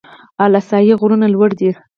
اله سای غرونه لوړ دي؟